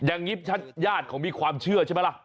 อย่างนี้ญาติเขามีความเชื่อใช่ไหมล่ะ